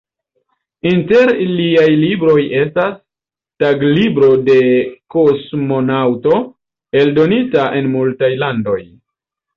Inter liaj libroj estas "Taglibro de kosmonaŭto", eldonita en multaj landoj.